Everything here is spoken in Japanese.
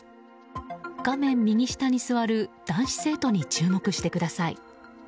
画面右下に座る男子生徒に注目してください。